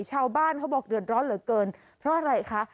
ชาวบ้านเขาบอกเดือดร้อนเหลือเกินเพราะอะไรคะ